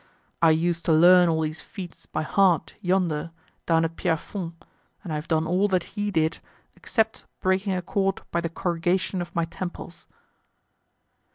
I used to learn all these feat by heart yonder, down at Pierrefonds, and I have done all that he did except breaking a cord by the corrugation of my temples."